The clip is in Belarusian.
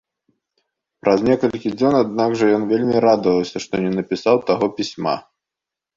Праз некалькі дзён аднак жа ён вельмі радаваўся, што не напісаў таго пісьма.